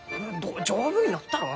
丈夫になったろう！